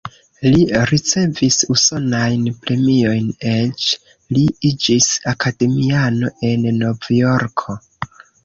Li ricevis usonajn premiojn, eĉ li iĝis akademiano en Novjorko.